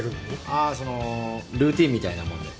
ああそのルーティンみたいなもんで。